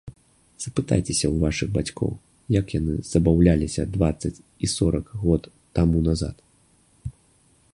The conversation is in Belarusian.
Запытайцеся ў вашых бацькоў, як яны забаўляліся дваццаць і сорак год таму назад.